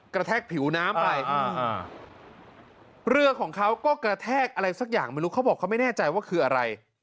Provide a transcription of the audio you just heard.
แทกผิวน้ำไปเรือของเขาก็กระแทกอะไรสักอย่างไม่รู้เขาบอกเขาไม่แน่ใจว่าคืออะไร